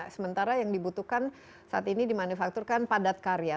sementara yang dibutuhkan saat ini dimanufakturkan padat karya